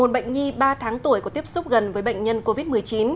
một bệnh nhi ba tháng tuổi có tiếp xúc gần với bệnh nhân covid một mươi chín